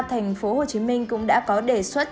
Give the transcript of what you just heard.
tp hcm cũng đã có đề xuất